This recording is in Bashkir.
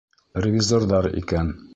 Ревизорҙар икән!